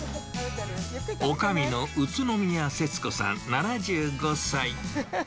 おかみの宇都宮節子さん７５歳。